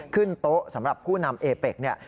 ขึ้นโต๊ะสำหรับผู้นำเอเป็กเนี่ย